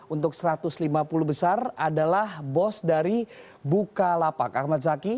untuk satu ratus lima puluh besar adalah bos dari bukalapak ahmad zaki